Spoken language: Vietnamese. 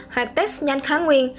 hoặc test nhanh kháng nguyên